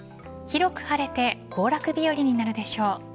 広く晴れて行楽日和になるでしょう。